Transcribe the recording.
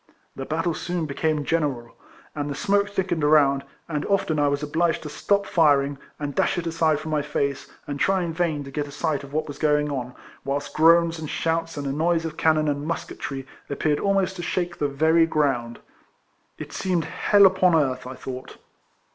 The battle soon became general ; the smoke thickened around, and often I was obliged to stop firing, and dash it aside from my face, and try in vain to get a sight of what was going on, whilst groans and shouts and a noise of cannon and musketry appeared almost to shake the very ground. It seemed liell upon earth I thought.